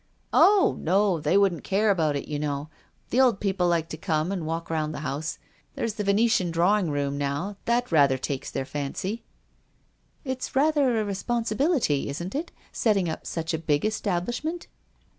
"Oh, no! They wouldn't care about it, you know. The old people like to come and walk round the house. There's the Venetian THE APOTHEOSIS OF PERRY JACKSON. 181^ i ' drawing room, now; that rather takes their fancy." " It's rather a responsibility, isn't it, setting up such a big establishment